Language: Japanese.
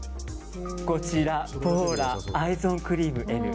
こちらＰＯＬＡアイゾーンクリームＮ。